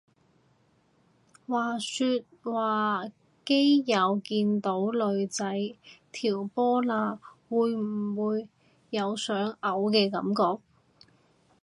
話說話基友見到女仔條波罅會唔會有想嘔嘅感覺？